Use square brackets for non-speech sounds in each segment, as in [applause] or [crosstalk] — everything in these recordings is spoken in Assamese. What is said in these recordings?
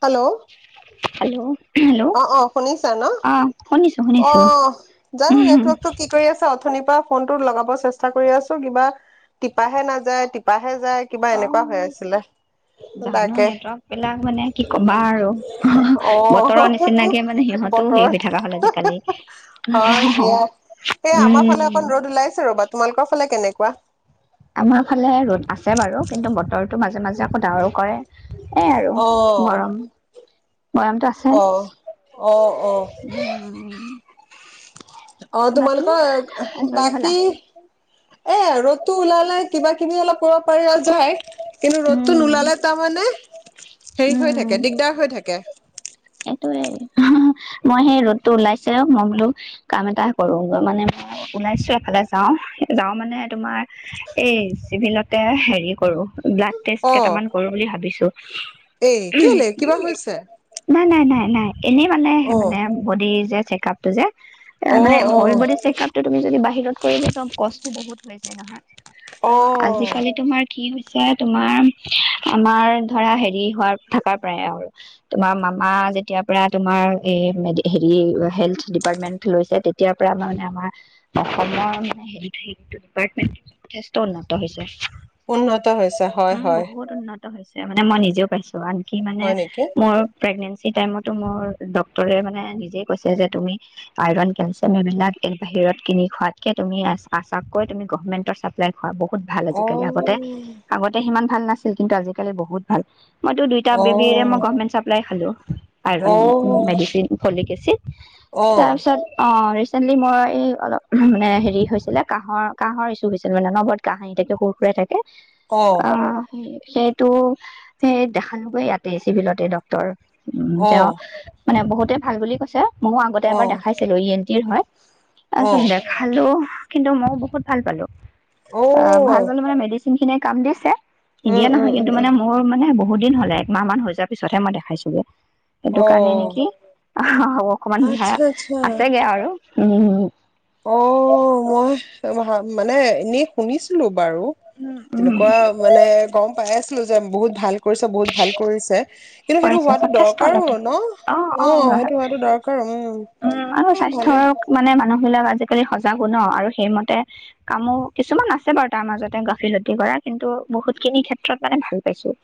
হেল্ল' হেল্ল' হেল্ল' অ অ শুনিছা ন? অ শুনিছো শুনিছো অহ, জানো নেটৱৰ্কটো কি কৰি আঠ- নিপৰা, ফোনত লগাব চেষ্টা কৰি আছোঁ, কিবা টিপাহে নাযায় টিপা- অহ। জানো তাকে নেটৱৰ্ক বিলাক মানে কি কবা আৰু, হ, অ হ। বতৰৰ নিচ- তেনোকে মানে সিহঁতও বতৰ হেৰি হৈ থকা হ'ল আজিকালি। উম হ হয় হ হ। দিয়া উম। বা তোমালোকৰ ফালে কেনেকুৱা? আমাৰ ফালে ৰ'দ আছ- ছে বাৰু। কিন্তু, বতৰটো মাজে মাজে- জাকো ডাঙৰো কৰে, এই আৰু, মৰম। অহ, অহ অহ। উম অহ, বাকী তোমালকৰ আজৰি বাকি- হলা এ ৰ'দতো ওলালে কিবা-কিবি অলপ কৰিব পাৰিয়া যাই। কিন্তু ৰ'দতটো উম নোলালে তাৰমানানে- হেৰি হৈ উম থাকে, দিগদাৰ হৈ থাকে। কে সেইটোয়ে হ হ। মই সেই ৰোদটো ওলাইছেও মই বোলোঁ, কাম এটা কৰোঁ গ মানে মই ওলাইছোঁ এফালে যাওঁ। যাওঁ মানে তোমাৰ, এই চিভিলতে হেৰি কৰোঁ ব্লাদ- টেষ্ট অ কেইটামান কৰোঁ বুলি ভাবিছো। এই কেলৈ, কিবা হৈছে? এনাই এনেই মানে, অ মানে বডি যে- চেক-আপ টো যে অ মানে অ হ'ল বডী চেক-আপটো তুমি যদি বা হিৰত কৰিলে [unintelligible] কষ্টটো বহুত ওলাই যায় নহয়। অ আৰু আজিকালি তোমাৰ কি হৈছে এতিয়া তোমাৰ আমাৰ ধৰা হেৰি হোৱাৰ থাকাৰ পৰাই আৰু তোমাৰ মামা যে তেতিয়া পৰা তোমাৰ এ, হেৰি হেল্থ ডিপাৰ্টমেণ্ট লৈছে তেতিয়াৰ পৰা আমাৰ মানে, আমাৰ অসমৰ মানে [unintelligible] ডিপাৰ্টমেণ্টটো যথেষ্ট উন্নত হৈছে। উন্নত হৈছে, হয় উম হয়। বহুত উন্নত হৈছে মানে মই নিজেও পাইছো। [unintelligible] কি মানে, হয় নেকি মোৰ প্ৰেগনেঞ্চি টাইমত মোৰ ডক্তৰে মানে নিজে কৈছে যে তুমি আইৰন, কেলচিয়াম এইবিলাক এই বাহিৰত কিনি খোৱাতকে তুমি [unintelligible] কৈ তুমি গভমেন্টৰ চাপ্লাই খোৱা, বহু ভাল অ আজিকালি, আগতে, আগতে সিমান ভাল নাছিল, কিন্তু আজিকালি বহুত ভাল। মইটো দুইটা অ বেবীৰে মই গভমেট চাপ্লাই হেল্ল'? আইৰণ অ মেডিচিন হলে বেছি অ তাৰপিছত অ' [unintelligible] মই এই অলপ মানে হেৰি হৈছিলে কাঁহৰ, কাঁহৰ ইচ্যু হৈছিলে মানে অনবৰত কাঁহ আহি থাকে সুৰ-সুৰাই থাকে। অ'। অ অ সেইটো, সেই দেখালোগে ইয়াতে, চিভিলতে ড্ক্তৰ। তেওঁ, মানে বহুত [unintelligible] ভাল বুলি কৈছে। মইও আগতে অ এবাৰ দেখাইছিলো ই [unintelligible] অ পাছত দেখালো। কিন্তু মইও বহুত ভাল পালো। অ', ভাল পালো মানে মেডি খিনিয়ে কাম দিছে উম নিদিয়ে উম নহয় উম কিন্তু উম মানে মোৰ মানে বহুত বহুত দিন হ'লে, একমাহ মান হৈ যোৱাৰ পিছতহে মই দেখাইছোগে। সেইটো অ কাৰণে নেকি, অ' অকমান আচ্ছা আচ্ছা আছেগে আৰু। উম। অ', মই ভ মানে এনেই শুনিছিলো। বাৰু উম তেনেকুৱা মানে গম পাই আছিলো যে বহুত ভাল- কৰিছ বহুত ভাল কৰিছে। কিন্তু সেইটো পৰিছে হোৱাতো যথেষ্ট দৰকাৰো অলপ ন, অ' সেইটো হোৱাটো দৰকাৰো। উম উম, আমাৰ এ ভালে স্বাস্থ্যৰ মানে- মানুহবলাক আজিকালি সজাগো ন, আৰু সেইমতে কামো কিছুমান আছে বাৰু তাৰ মাজতে গাফিলতি কৰা কিন্তু বহুত খিনি ক্ষেত্ৰত মানে ভাল পাইছো।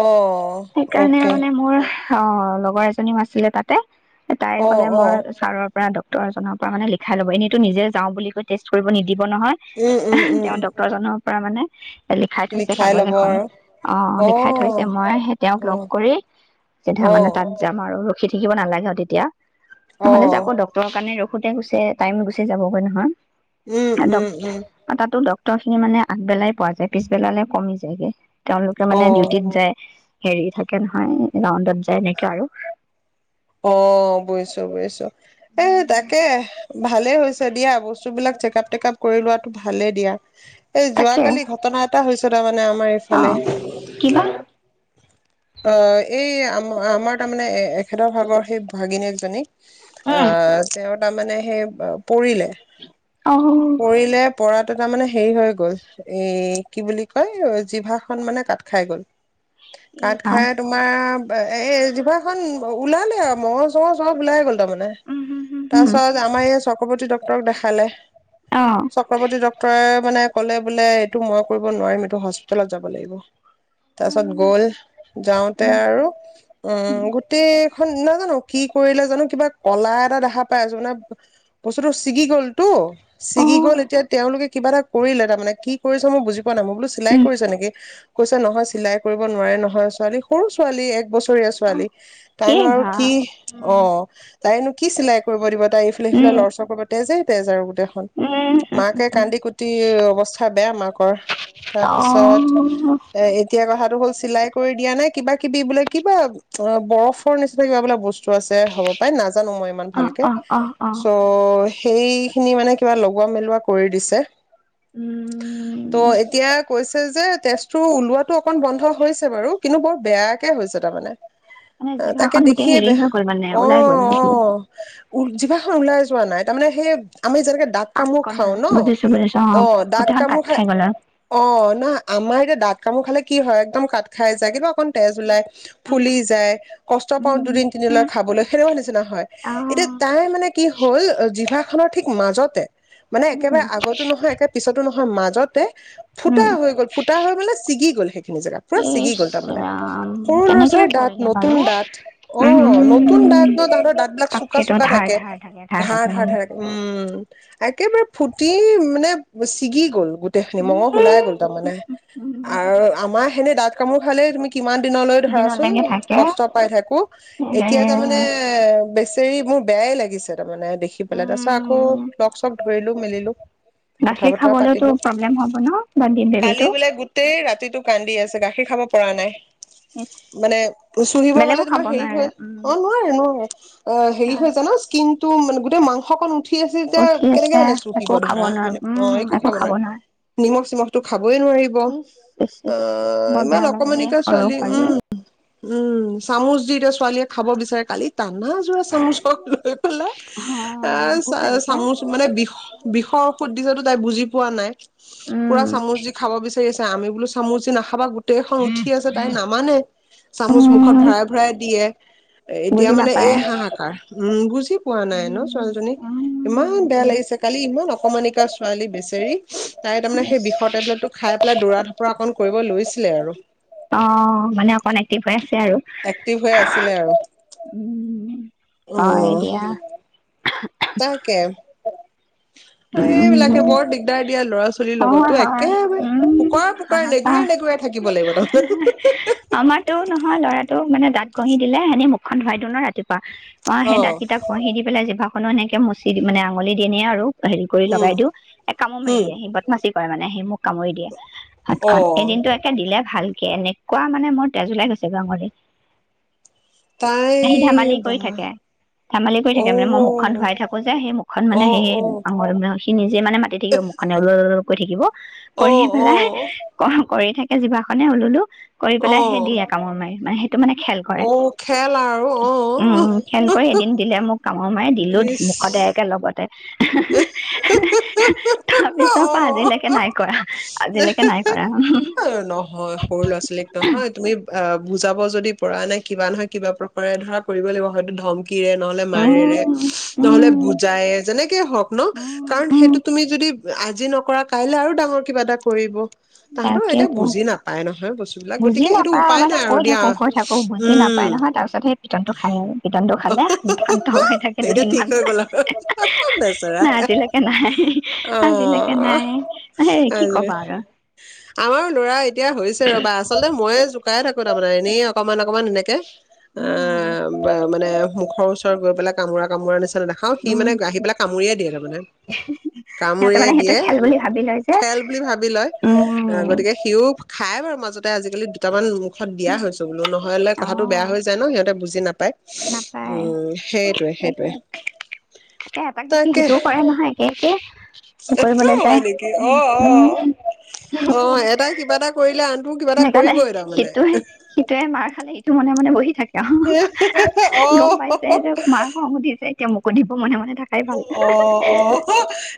অ' সেইকাৰণে অ'কে মানে মোৰ অ' লগৰ এজনীও আছিলে তাতে, তাই অ কলে, অ মই ছাৰক ড্ক্টৰ এজনৰ পৰা মানে লিখাই ল'ব। এনেতটো নিজে যাওঁ বুলি কৈ টেষ্ট কৰিব নি দিব নহয়, উম উম উম তেওঁ ড্ক্তৰ জনক পৰা মানে? লিখাই থৈছে কাগজ ল'ব এখন, আৰু অ' লিখাই থৈছে মই সেই তেওঁক অ লগ কৰি চিধা অ মানে তাত যাম আৰু। ৰখি থাকিব নালাগে আৰু তেতিয়া। অ নহলে যে আকৌ ড্ক্তৰৰ কাৰণে ৰখ- থাকোতে গুছে টাইম গুচি যাবগৈ উম নহয়। উম উম দ তাতো দ- স্ৰ খিনি মানে আগবেলাই পোৱা যায়, পিছবেলালৈ কমি যায়গৈ। তেওঁলোকে অ মানে ডিউটিত যায় হেৰি থাকে নহয়, ৰাউণ্ডত যায় এনেকে আৰু অ বুইছো বুইছো, এ' তাকে ভালে হৈছে। দিয়া, বস্তুবিলাক চেকআপ টেকআপ কৰি লোৱাটো ভালেই দিয়া। এই তাকে যোৱাকালি ঘটনা এটা হৈছে তাৰমানে আমাৰ অ এইফালে। কিবা অ' এই আ আমাৰ তাৰমানে- তেখেতৰ ভাগৰ সেই ভাগিনীয়েক জনীক- অ' তেওঁ তাৰ মানে সেই পৰিলে অ পৰিলে পৰাত তাৰ মানে হেৰি হৈ গ'ল, এ' কি বুলি কয় জিভা খন মানে কাত খাই গ'ল। এই কাট ৰাম খাই তোমাৰ এই জিভাখন অ' ওলালে আৰু, মঙহ চঙহ চব ওলাই গ'ল। তাৰ মানে, উম হুম হুম হুম তাৰপিছত আমাৰ ইয়াৰ চক্ৰবতী ডক ক দেখালে। অ চক্ৰৱৰ্তী ডক্তৰে মানে। ক'লে বোলে এইটো মই কৰিব নোৱাৰিম, এইটো হস্পিতেলত যাব লাগিব। তাৰ পিছত গ'ল, উম যাওঁতে আৰু উম', গোটেইখন নাজানো কি কৰিলে জানো কিবা। কলা এটা দেখা পাই আছোঁ। মানে বস্তুটো ছিগি গ'ল টো, অ ছিগি -গ'ল, এতিয়া তেওঁলোকে কিবা এটা। কৰিলে, তাৰ মানে কি কৰিছে মানে, মই বুজি পোৱা নাই। মই বোলো চিলাই উম কৰিছে নেকি? কৈছে নহয় চিলাই কৰিব নোৱাৰে নহয়, ছোৱালীক। সৰু ছোৱালী, এক বছৰীয়া অ ছোৱালী। এই তাইনো আৰু বা কি, উম অ', তাইনো কি চিলাই কৰিব দিব? তাই এইফালে-সেইফালে উম লৰচৰ কৰিব তেজে। তেজ আৰু, গোটেইখন, উম মাকে কান্দি-কুটি অৱস্থা বেয়া মাকৰ, অ তাৰপিছত এ এতিয়া কথাটো হ'ল চিলাই কৰি দিয়া নাই। কিবা-কিবি বোলে কিবা, - অ', বৰফৰ নিচিনা কিবা বোলে বস্তু, - আছে হ'ব পাই নাজানোঁ, মই ইমান অ ভালকে অ অ অ চ, ' সেইখিনি মানে কিবা লোগোৱা- মেলোৱা কৰি দিছে। উম ত', এতিয়া কৈছে যে, তেজটো ওলোৱাতো অকন বন্ধ হৈছে, বাৰু কিন্তু বৰ বেয়াকে হৈছে তাৰমানে। মানে তাকে জিভাখন গোটেই দেখিয়ে হেৰি বেয়া হৈ গ'ল মানে অ', ওলাই গ'ল - নেকি অ', - উঠ -জিভা ওলাই যোৱা নাই, তাৰ মানে সেই, আমি যেনেকে দাত কামোৰ পাককণ খাওঁ, আৰু ন', বুজিছো বুজিছো অ', দাত গোটেইখন কামোৰ কাট খাই, গ'ল আৰু অ', না, আমাৰ এতিয়া দাত, কামোৰ খালে কি হয়, একদম কাাট খাই যায় কিন্তু অকণ, তেজ উলাই, উম ফুলি উম যায়, কষ্ট পাওঁ উম দুদিন- উম তিনিদিনলৈ খাবলে সেনেকুৱা নিচিনা হয়। আহ এতিয়া, তাই, মানে, কি হ'ল -জিভা খনৰ ঠিক মাজতে, মানে উম একেবাৰে আগতো নহয়, একেবাৰে পিছতো নহয়, মাজ, যতে, ফুটা উম হৈ গ'ল, ফুটা হৈ মানে ছিগি গ'ল, সেইখিনি জেগা পুৰা ছিগি ইচ গ'ল, তাৰমানে, ৰাম সৰু কেনেকে ল'ৰা-ছোৱালী, দাঁত, পৰিলে নতুন বাৰু দাঁত, অ', নতুন উম দাঁত ন', তাহাতৰ দাঁত বিলাক তাকেতো চোকা-চোকা ধাৰ থাকে ধাৰ ধাৰ ধাৰ-ধাৰ থাকে। উম', একেবাৰে ফুটি, মানে ছিগি গ'ল। গোটেই খিনি মঙহ‌ ওলাই গ'ল তাৰমানে, উম আৰু আমাৰ সেনে দাঁত কামোৰ খালে তুমি কিমান দিনলৈ ধৰাছোন, দিনলৈকে উম্ থাকে -কষ্ট পাই থাকোঁ, উম এতিয়া তাৰমানে বেছি, ধেৎ তেৰি মোৰ বেয়াই লাগিছে তাৰমানে। দেখি পেলাই তাৰ পাছত আকৌ লগ- চগ ধৰিলো মিলিলো কথা- গাখীৰ বতৰা খাবলৈতো পাতিলো, প্ৰব্লেম হ'ব ন বেবীটো কালি বোলে গোটেই ৰাতিটো কান্দি আছে গাখীৰ খাব পৰা নাই মানে চুহিব গলে বেলেগো খাব তোমাৰ হেৰি নোৱাৰে হৈ অ উম নোৱাৰে নোৱাৰে অ হেৰি হৈ য ন স্কিন তো মান গোেই মাংস ক উঠি আছে তেতিয়া উঠি কেনেকে আছে মানে চুহিব একো খাব ধৰা নোৱাৰো সেনে অ উম একো খাব নোৱাৰে নোৱাৰো নিমখ চিমখ তটো খাব ন ইচ ইচ অ ইচ বৰ ইমান বেয়া লাগে দেই অকমানিকা সৰু ছোৱালী পোৱালি উম উম চামুচ দি এতিয়া ছোৱালীয়ে খাব বিচাৰে কালিত টানা যোৰা চামুচক লৈ পেলাই হা এ চ ভোক লাগিছে চামুচ মানে বিষ বিষৰ ঔষুধ দিছটো তাই বুজি পোৱা নাই পুৰা উম চামুচ দি খাব বিচাৰি আছে আমি বোলো চামুচ দি নাাখাবা তাইৰ খং উঠি আছে তাইৰ নাম মানে চামুচ মুখত উম ভৰাই ভৰাই দিয়ে এতিয়া বুজি মানে এই নাপায় হাহাকাৰ উম বুজি পোৱা নাই ন ছোৱালীজনীক ইমান বেয়া লাগিছে কালি ইমান অকমানিকা ছোৱালী বেচেৰি তাই তাৰমানে সেই বিষৰ টেবলেটটো খাই পেলাই দৌৰা ধপুৰা অকনণ কৰিব লৈছিলে আৰু অ মানে অকণ এক্টিভ হয় এক্টিভ হৈ আছিলে আৰু উ হয় উম দিয়া তাকে এইবিলাকে বৰ দিগদাৰ দিয়া ল'ৰা ছোৱালী অ হয় উম পোকৰা নেগুৰে নেগুৰে থাকিব লাগিব তাৰমানে আমাৰটো নহয় লৰাটো মানে গাঁ গহি দিলেন মুখখন ধইাইো ৰাপা অ সেই দাঁত কেইটাক ঘহি দি পেলাই জিভা এনেকে মচি দি মানে আঙুলি দিয়ে আৰু হেৰি কৰি লগাই উম দিওঁ এক কামো মাৰি হম দিয়ে সি ব কৰে মানে সি মোক কামুৰি দিয়ে অ হাতখনন এই দিনটো একে দিলে ভালকে এনেকুৱা মানে মোৰ তেজ ওলাই গৈ হৈছে গাঙল মানে তাই সি ধেমালি কৰি বা থাকে ধেমালি কৰি অ থাকে মানে মই মুখখন ধুৱাই থাকো যে সেই মুখখন অ মানে অ সেই যে মানে মা থাকিবোক মানেল কৈ থাকিব অ কৰি পেলাই- কৰক। কৰি থাকে জিভাখনে ওলোলো কৰি অ অ পেলাই সে দিয়ে কামোৰ মাৰি মানে হি এইটো মানে খেল কৰে। অ খেল আৰু অ উম্‌ উম্‌ খেল কৰি এদিন দিলে মোক কামোৰ মাৰি দিলো ইচ মুখতে একে লগতে। এহে হে হে হে, তাৰ পিছত অ' আজিলেকে নাই কৰা, আজিলেকে নাই অ কৰা নহয়, সৰু ল'ৰা ছোৱালীক নহয় তুমি বুজাব যদি পৰা নাই কিবা নহয় কিবা প্ৰকাৰে ধৰা কৰিবৈ লাগিব, হয়তো ধম কিৰে, নহ'লে উম মাৰেৰে নহ'লে উম বুজায়ে, যেনেকে হওঁক ন, উম কাৰণ উম সেইটো তুমি যদি আজি নকৰা, কাইলে আৰু ডাঙৰ কিবা এটা কৰিব। তাহাঁতো এতিয়া তাকেতো বুজি নাপাই নহ বুজি নাপায় মানে কৈ থাকো কৈ থাকো বুজি নাপাই উম নহয় তাৰ পিছত সেই পিটনটো খাই আৰু। পিটনটো খালে শান্ত হৈ থাকে এতিয়া ঠিক দুদিনমান। হৈ গ'ল আৰু বেচেৰা নাই আজিলৈকে নাই- আৰু, অ আজিলৈকে নাই। হে কি আজৰি কবা আৰু! আমাৰো ল'ৰা এতিয়া হৈছে ৰ'বা, আচলতে মইয়ে জোকাই থাকো তাৰমানে, এনেই [unintelligible] অকমান এনেকে- উম এ'-বা-মানে মুখৰ ওচৰত গৈ পেলাই কামোৰা কামোৰা নিচ দেখাও, সি উম মানে- আহি পেলাই কামুৰিয়ে দিয়ে তাৰ মানে। সিহঁতে কামুৰিয়ে মানে সেইটো দিয়ে, খেল বুলি ভাবি লয় যে খেল বুলি ভাবি লয়। অ' উম গতিকে সিও খাই খাই বাৰু মাজতে আজিকালি দুটামান দিয়া হৈছো বোলো নহ'লে অ কথাটো বেয়া হৈ যায় ন' সিহঁতে বুজি নাপায়। নাপায় উম্‌- সেইটোয়ে সেইটোৱে সেইটোয়ে। এ এটাক দেখি তাকে! সিটোও কৰে নহয় একে একে কৰিবলৈ একেই যায়। হয় নেকি? উম অ' অ'- উম অ' এটা কিবা এটা কৰিলে আনটোও কিবা এটা কৰিবই তাৰ মানে। ইটোই- সিটোৱে মাৰ খালে ইটো মনে মনে বহি থাকে আৰু গম অ'- পাইছে যে মাৰ খং উঠিছে [unintelligible] এতিয়া মোকো দিব মনে মনে থাকাই ভাল। অ' -অ'-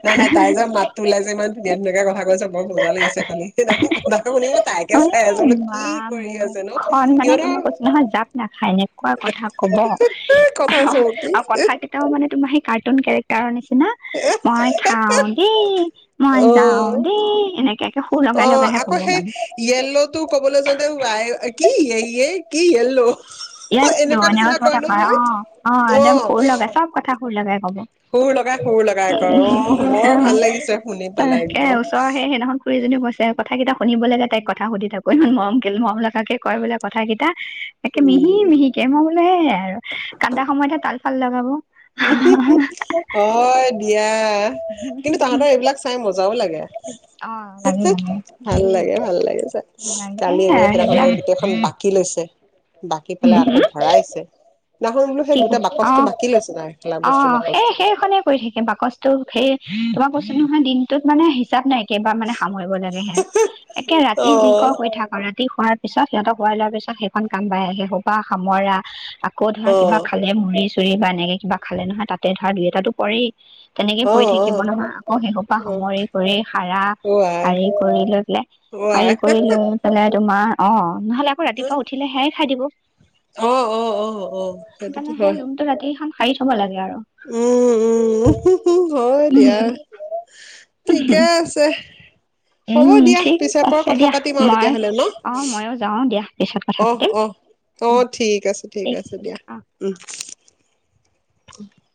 নাই নাই তাই যে মাতটো ওলাই যে ইমান ধুনীয়া ধুনীয়াকে কথা কৈছে বৰ মজা লাগিছে কালি। সেইদিনাখন কন্দাটো শুনি মই তাইকে চাই আছিলোঁ। কি কৰি আছে নো খন মানে সিহঁতৰ তোমাৰ কৈছো নহয় জাপ নাখায় এনেকুৱা কথা ক'ব। এই কথা অ'- চৌকি আৰু কথা কেটাও মানে তোমাৰ সেই কাৰ্টুন কেৰেক্টাৰ টাৰৰ নিচি সিদিনা- মই খাওঁ দেই, মই অ যাওঁ দেই এনেকে একে সুৰ অ লগাই লগাইহে আকৌ কব সেই মানে। য়েল্ল'টো ক'বলৈ যাওঁতে ৱাই কি এই এ, কি য়েল্লো এই ধুনীয়া কথা কয় অঁ অঁ অ একদম সুৰ লগা চব কথা [unintelligible] হব, সুৰ লগাই সুৰ লগাই কয় উম অ হুম হুম, বৰ অঁ অঁ ভাল লাগিছে শুনি পেলাই তাকে একদম ওচৰ সেই সেইদিনাখন খুৰীজনী ব তাই কথাকেইটা শুনিবলৈকে তাইক কথা সুধি থাকো ইমান মৰম কি মৰম লগাকে কয় বোলে কথাকেইটা। মিহি উম মিহিকে মই বোলো হেইএ আৰু কান্দা সময়তহে তাল ভাল লগাব অ দিয়া, কিন্তু তাহাতৰ এইবিলাক চাই মজাও লাগে, অ', ভাল লাগে ভাল লাগে চাই, লাগে কালি এওঁৱে লাগে সেইবিলাক সেইদিনাখনকে গোটেইখন বাকি লৈছে বাকি পেলাই আকৌ ভৰাইছে নাহই বোলো কি সেই গোটেই বাকচটো অ', বাকি লৈছে। খেলা অ বস্তুৰ সেই বাকচটো সেইখনেই কৰি থাকে বাকচটো সেই তোমাক কৈছো নহয় দিনটোত মানে হিচাপ নাই কেইবাৰ মানে সামৰিব লাগে হে, একে ৰাতি অ যি কয় কৈ থাক আ ৰাতি খোৱাৰ পিছত সিহঁতক শুৱাই লোৱাৰ পিছত সেইখন কাম বাই সেইসোপা সামৰা, আকৌ অ কিবা খালে মৰিছোঁ এই বা এনেকে কিবা খালে নহয় তাতে ধৰা দুই এটাতো পৰেই। তেনেকে অ অ পৰি থাকিব নহয় আকৌ শেই খোপা অ সামৰি কৰি শাৰা, অ আই শাৰী কৰি লৈ পেলাই, অ আই শাৰী কৰি লৈ পেলাই তোমাৰ অ নহলে আকৌ ৰাতিপুৱা উঠিলে সেয়াই ওঠাই দিব অ অ অ অ সেইটোতো মানে সেই হয় ৰুমটো ৰাতিখন সাৰি থব লাগে আৰু উম উম হু হু হু হয় উম দিয়া ঠিকে আছে হ'ব উম দিয়া ঠিক পিছে পৰে আছে কথা দিয়া পাতিম আৰু মই তেতিয়াহলে ন, অ ময়ো যাও দিয়া পিছত কথা অঁ পাতিম অহ, উম অঁ ঠিক আছে ঠিক আছে দিয়া উম [inaudible]